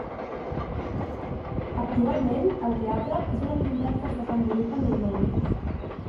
Actualment el teatre és una activitat que es desenvolupa normalment.